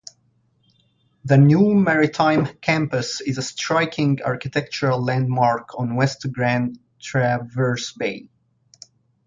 The new Maritime Campus is a striking architectural landmark on West Grand Traverse Bay.